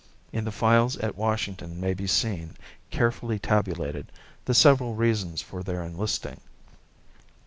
In the files at Washington may be seen, carefully tabulated, the several reasons for their enlisting.